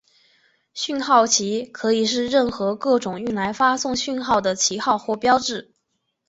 讯号旗可以是任何各种用来发送讯号的旗号或标志。